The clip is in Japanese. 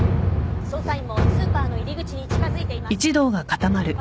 捜査員もスーパーの入り口に近づいています。